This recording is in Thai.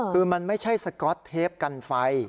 คือมันไม่ใช่สก๊อตเทปกันไฟ